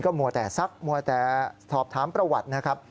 มัวแต่ซักมัวแต่สอบถามประวัตินะครับ